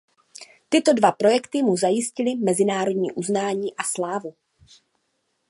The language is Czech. Tyto dva projekty mu zajistily mezinárodní uznání a slávu.